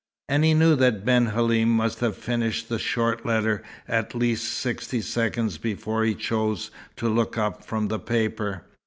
And he knew that Ben Halim must have finished the short letter at least sixty seconds before he chose to look up from the paper.